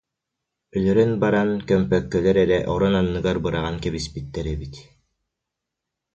«Өлөрөн баран, көмпөккөлөр эрэ, орон анныгар быраҕан кэбиспиттэр эбит